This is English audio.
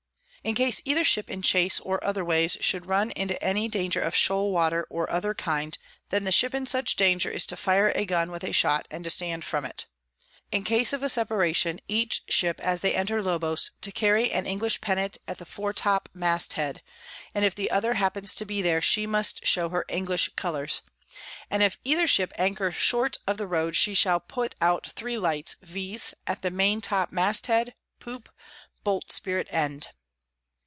"In case either Ship in Chase or otherways should run into any danger of Shoal Water or other kind, then the Ship in such danger is to fire a Gun with a Shot, and to stand from it. "In case of a Separation, each Ship as they enter Lobos to carry an English Pennant at the Foretop Mast head; and if the other happens to be there, she must show her English Colours. And if either Ship anchor short of the Road, she shall put out three Lights, viz. at the Maintop Mast head, Poop, Boltsprit end.